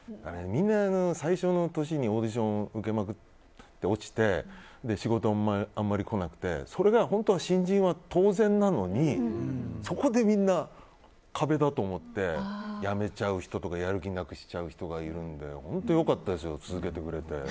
みんな最初の年にオーディションを受けまくって落ちて仕事、あんまり来なくてそれが新人は当然なのにそこでみんな壁だと思ってやめちゃう人とかやる気をなくす人がいるので本当良かったです、続けてくれて。